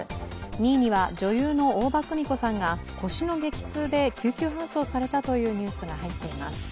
２位には女優の大場久美子さんが腰の激痛で救急搬送されたというニュースが入っています。